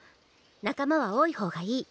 仲間は多い方がいい。